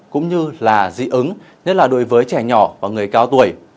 cũng như là dị ứng nhất là đối với trẻ nhỏ và người cao tuổi